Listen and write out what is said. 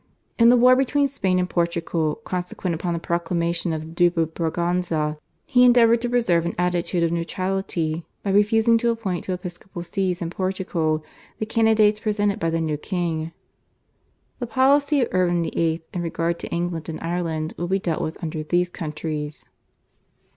In the war between Spain and Portugal consequent upon the proclamation of the Duke of Braganza he endeavoured to preserve an attitude of neutrality by refusing to appoint to episcopal sees in Portugal the candidates presented by the new king. The policy of Urban VIII. in regard to England and Ireland will be dealt with under these countries.